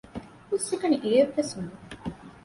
ހުސްއެކަނި އެއެއް ވެސް ނޫން